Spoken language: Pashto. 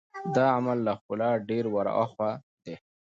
دا عمل له ښکلا ډېر ور هاخوا دی.